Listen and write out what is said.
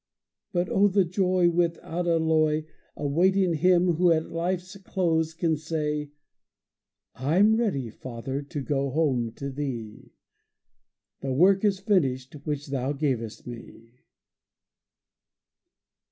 But O the joy Without alloy, Awaiting him who at life's close can say, "I'm ready, Father, to go home to thee; The work is finished which thou gavest me."